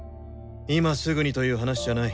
今すぐにという話じゃない。